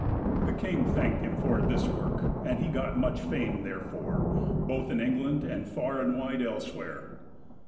The king thanked him for this work, and he got much fame therefor, both in England and far and wide elsewhere.